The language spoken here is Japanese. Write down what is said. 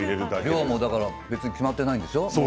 量もちゃんと決まってないんでしょ。